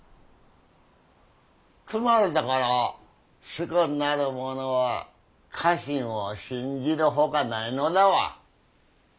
つまるところ主君なる者は家臣を信じるほかないのだわ。